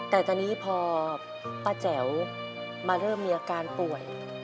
แต่ตอนนี้พอป้าแจ๋วมาเริ่มมีอาการป่วย